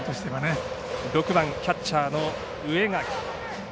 ６番キャッチャーの植垣。